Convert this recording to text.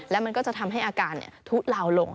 แล้วมันก็จะทำให้อาการทุเลาลง